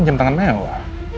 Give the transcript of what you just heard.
jam tangan mewah